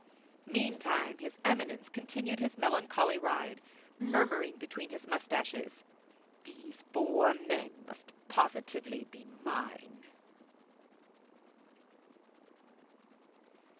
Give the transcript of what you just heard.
Meantime, his Eminence continued his melancholy ride, murmuring between his mustaches, "These four men must positively be mine."